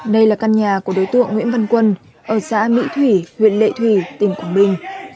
đây là căn nhà của đối tượng nguyễn văn quân ở xã mỹ thủy huyện lệ thủy tỉnh quảng bình